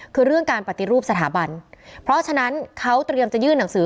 คือเรื่องการปฏิรูปสถาบันเพราะฉะนั้นเขาเตรียมจะยื่นหนังสือ